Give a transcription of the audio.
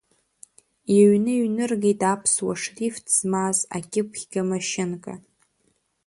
Иҩны иҩныргеит аԥсуа шрифт змаз акьыԥхьга машьынка.